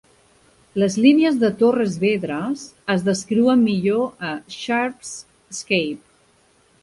Les línies de Torres Vedras es descriuen millor a Sharpe's Escape.